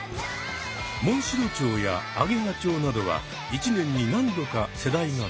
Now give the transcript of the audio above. モンシロチョウやアゲハチョウなどは一年に何度か世代が変わる。